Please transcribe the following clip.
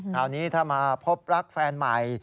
คราวนี้ถ้ามาพบรักแฟนใหม่